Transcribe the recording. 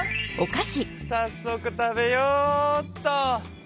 さっそく食べようっと。